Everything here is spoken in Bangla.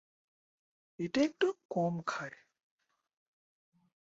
এটা একটু কম খায়।